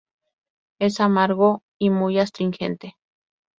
Es amargo y muy astringente.